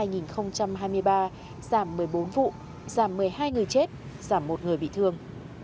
giảm một mươi bốn vụ giảm một mươi hai người chết giảm một người bị thương